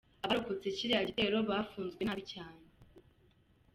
Abarokotse kiriya gitero bafunzwe nabi cyane!